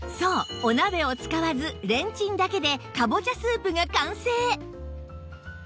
お鍋を使わずレンチンだけでかぼちゃスープが完成！